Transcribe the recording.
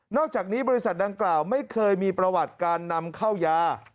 อกจากนี้บริษัทดังกล่าวไม่เคยมีประวัติการนำเข้ายา